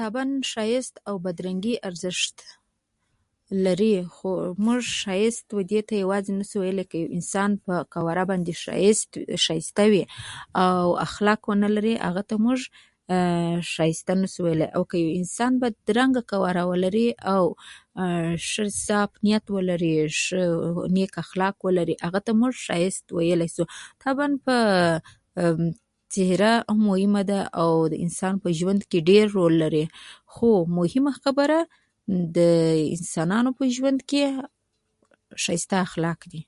طبعا ښایست او بدرنګي ارزښت لري، خو موږ ښایست دېته یوازې، دېته یوازې نشو ویلی. که یو انسان په قواره باندې ښایسته وي، او اخلاق ونه لري، هغه ته موږ، هغه ته ښایسته نشو ویلای. او که انسان بدرنګه قواره ولري، او ښه صاف نیت ولري، او ښه نیک اخلاق ولري، هغه ته موږ ښایسته ویلای شو. طبعا څېره مهمه ده، او د انسان په ژوند کې ډېر رول لري، خو مهمه خبره د انسانانو په ژوند کې ښایسته اخلاق دي.